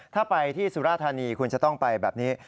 ถ้าไปที่สุราธานีคุณจะต้องไปแบบนี้